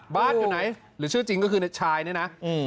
บาร์ดอยู่ไหนหรือชื่อจริงก็คือในชายเนี้ยนะอืม